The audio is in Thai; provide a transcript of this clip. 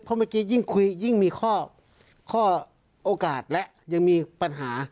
เพราะเมื่อกี้ยิ่งคุยยิ่งมีข้อโอกาสและยังมีปัญหา